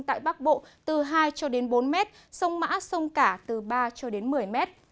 tại bắc bộ từ hai cho đến bốn m sông mã sông cả từ ba cho đến một mươi m